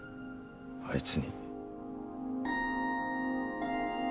あいつに。